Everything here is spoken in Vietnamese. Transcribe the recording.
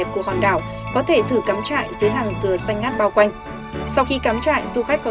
của hòn đảo có thể thử cắm trại dưới hàng dừa xanh ngát bao quanh sau khi cắm trại du khách có